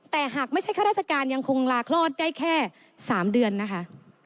แต่หากไม่ใช่ข้าราชการยังคงลาคลอดได้แค่๓เดือนนะคะ